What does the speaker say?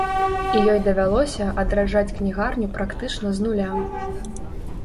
І ёй давялося адраджаць кнігарню практычна з нуля.